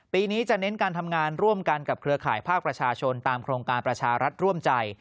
ปีนี้จะเน้นการทำงานร่วมกันกับเครือข่ายภาคประชาชนตามโครงการประชารัฐร่วมใจ